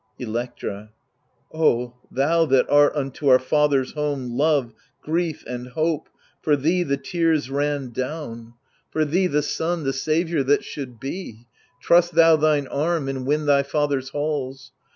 Electra O thou that art unto our father's home Love, grief and hope, for thee the tears ran down, THE LIBATION BEARERS 93 For thee, the son, the saviour that should be ; Tntst thou thine arm and win thy father's halls